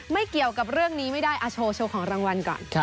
เกี่ยวกับเรื่องนี้ไม่ได้โชว์โชว์ของรางวัลก่อน